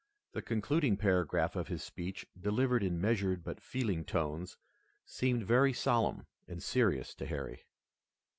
The concluding paragraph of his speech, delivered in measured but feeling tones, seemed very solemn and serious to Harry.